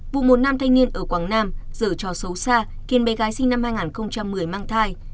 vụ một nam thanh niên ở quảng nam giờ trò xấu xa khiến bé gái sinh năm hai nghìn một mươi mang thai